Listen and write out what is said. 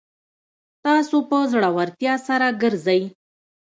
تاسو په زړورتیا سره ګرځئ